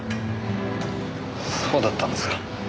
そうだったんですか。